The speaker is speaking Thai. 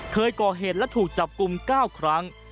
เคยก่อเหตุและถูกจับกลุ่ม๙ครั้ง